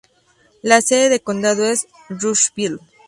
La sede de condado es Rushville.